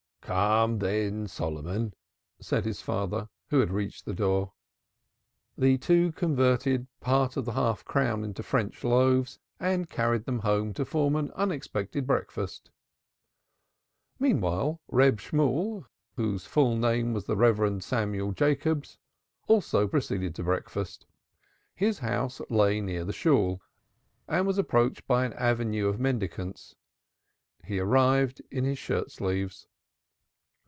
"Come, then, Solomon," said his father, who had reached the door. The two converted part of the half crown into French loaves and carried them home to form an unexpected breakfast. Meantime Reb Shemuel, whose full name was the Reverend Samuel Jacobs, also proceeded to breakfast. His house lay near the Shool, and was approached by an avenue of mendicants. He arrived in his shirt sleeves.